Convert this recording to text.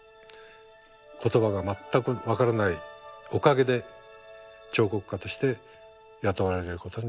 言葉が全く分からないおかげで彫刻家として雇われることになりました。